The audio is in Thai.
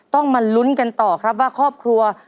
ต้องมาลุ้นกันต่อครับว่าครอบครัว